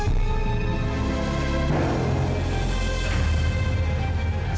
taufan yang melakukan semua ini